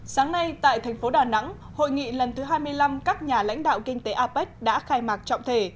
sáng nay tại thành phố đà nẵng hội nghị lần thứ hai mươi năm các nhà lãnh đạo kinh tế apec đã khai mạc trọng thể